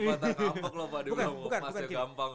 pas tergampang loh pak dwi emasnya gampang loh